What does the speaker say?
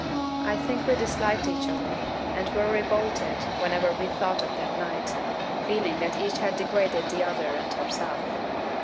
I think we disliked each other, and were revolted whenever we thought of that night, feeling that each had degraded the other and herself."